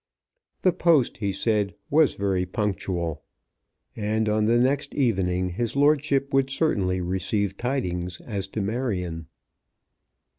The post, he said, was very punctual; and on the next evening his lordship would certainly receive tidings as to Marion.